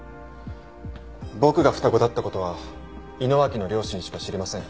僕が双子だった事は井野脇の両親しか知りません。